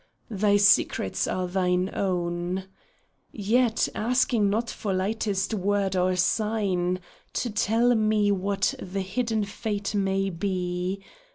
Thy secrets are thine own ! Yet, asking not for lightest word or sign To tell me what the hidden fate may be.